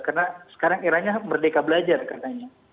karena sekarang eranya merdeka belajar katanya